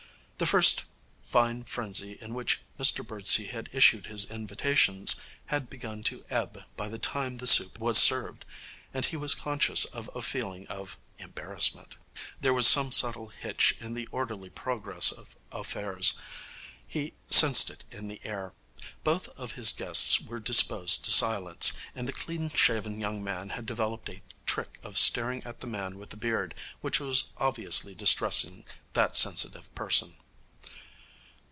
The first fine frenzy in which Mr Birdsey had issued his invitations had begun to ebb by the time the soup was served, and he was conscious of a feeling of embarrassment. There was some subtle hitch in the orderly progress of affairs. He sensed it in the air. Both of his guests were disposed to silence, and the clean shaven young man had developed a trick of staring at the man with the beard, which was obviously distressing that sensitive person.